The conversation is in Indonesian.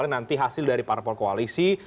nanti hasil dari parpol koalisi